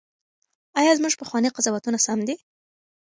ایا زموږ پخواني قضاوتونه سم دي؟